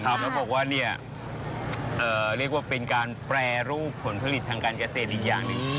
แล้วบอกว่าเรียกว่าเป็นการแปรรูปผลผลิตทางการเกษตรอีกอย่างหนึ่ง